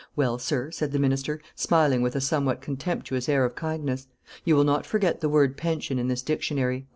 "Well, sir," said the minister, smiling with a somewhat contemptuous air of kindness, "you will not forget the word pension in this Dictionary."